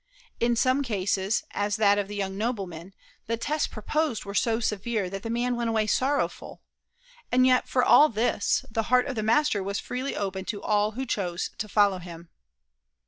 In some cases, as that of the young nobleman, the tests proposed were so severe that the man went away sorrowful; and yet, for all this, the heart of the Master was freely open to all who chose to follow him.